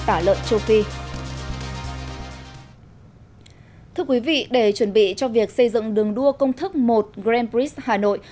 thông tin cho quý vị thưa quý vị để chuẩn bị cho việc xây dựng đường đua công thức một grand prix hà nội